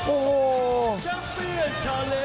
โอ้โห